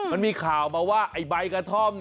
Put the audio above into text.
มันมีข่าวมาว่าไอ้ใบกระท่อม